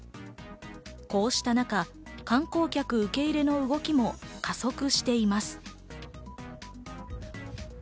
こうした中、観光客受け入れの動きも加速しています。